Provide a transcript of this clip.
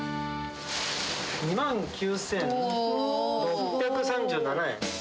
２万９６３７円。